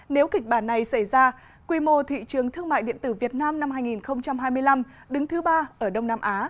nếu kịch bản này xảy ra quy mô thị trường thương mại điện tử việt nam năm hai nghìn hai mươi năm đứng thứ ba ở đông nam á